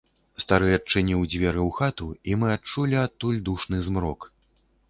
Стары адчыніў дзверы ў хату, і мы адчулі адтуль душны змрок.